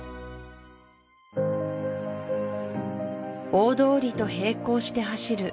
大通りと並行して走る